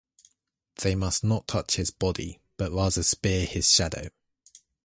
They must not touch his body, but rather spear his shadow.